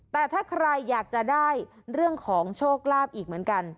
แต่ถ้าใครอยากจะได้เรื่องของโชคลาภอีกเหมือนกัน